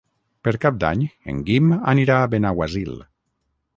Per Cap d'Any en Guim anirà a Benaguasil.